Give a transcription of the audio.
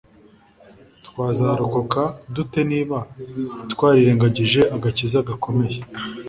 Twazarokoka dute niba twarirengagije agakiza gakomeye